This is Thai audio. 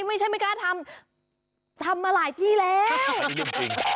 ไม่ใช่ไม่กล้าทำทำมาหลายที่แล้วทำจริง